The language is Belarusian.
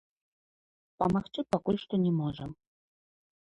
Памагчы пакуль што не можам.